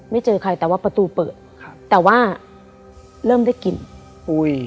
เจอใครแต่ว่าประตูเปิดครับแต่ว่าเริ่มได้กลิ่นอุ้ย